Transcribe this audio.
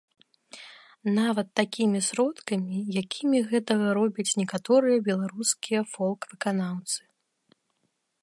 Нават такімі сродкамі, якімі гэтага робяць некаторыя беларускія фолк-выканаўцы.